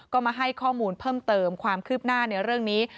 ก็มาให้ข้อมูลเพิ่มเติมความคืบหน้าในเรื่องนี้